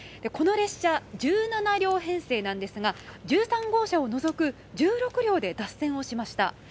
この列車、１７両編成なんですが１３号車を除く１６両で脱線しました。